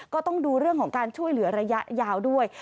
ก็ต้องดูเรื่องของการช่วยเหลือระยะยาวด้วย